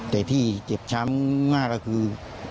แต่ที่เจ็บช้ำมากก็คือ